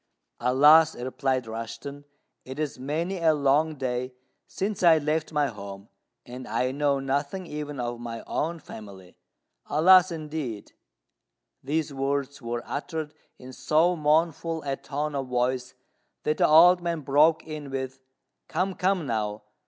"Alas!" replied Rushten, "it is many a long day since I left my home, and I know nothing even of my own family. Alas, indeed!" These words were uttered in so mournful a tone of voice that the old man broke in with, "Come, come, now!